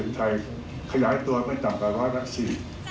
ในปี๒๕๕๙